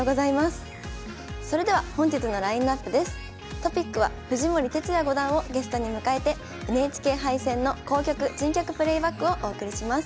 トピックは藤森哲也五段をゲストに迎えてＮＨＫ杯戦の「好局珍局プレーバック」をお送りします。